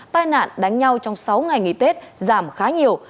tai nạn đánh nhau trong sáu ngày nghỉ tết giảm khá nhiều